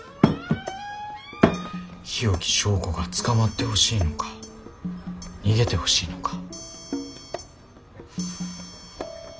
日置昭子が捕まってほしいのか逃げてほしいのか。